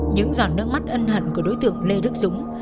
những giọt nước mắt ân hận của đối tượng lê đức dũng